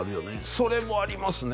それもありますね